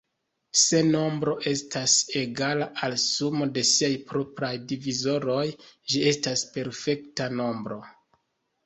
Se nombro estas egala al sumo de siaj propraj divizoroj, ĝi estas perfekta nombro.